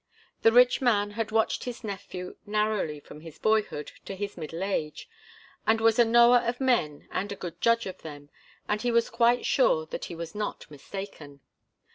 The rich man had watched his nephew narrowly from his boyhood to his middle age, and was a knower of men and a good judge of them, and he was quite sure that he was not mistaken.